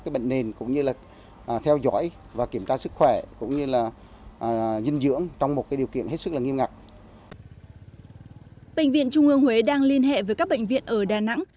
bệnh viện trung ương huế đang liên hệ với các bệnh viện ở đà nẵng